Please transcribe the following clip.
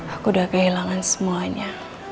aku udah kehilangan semuanya